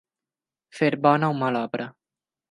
Fer bona o mala obra.